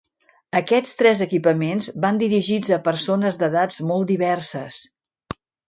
Aquests tres equipaments van dirigits a persones d'edats molt diverses.